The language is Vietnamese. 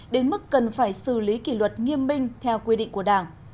đến mức cần phải xử lý kỷ luật nghiêm minh theo quy định của đảng